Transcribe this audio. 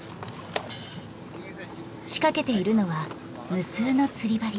仕掛けているのは無数の釣り針。